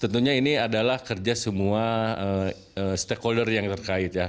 tentunya ini adalah kerja semua stakeholder yang terkait ya